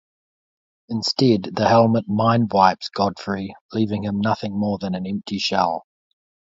Instead, the helmet mindwipes Godfrey, leaving him nothing more than an empty shell.